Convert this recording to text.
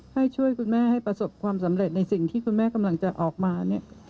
ให้ช่วยคุณแม่ให้ประสบความสำเร็จในสิ่งที่คุณแม่กำลังจะออกมาเนี่ย